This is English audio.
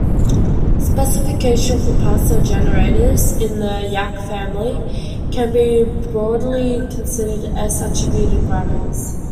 Specifications for parser generators in the Yacc family can be broadly considered S-attributed grammars.